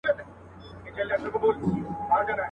لوڅ بدن ته خړي سترگي يې نيولي.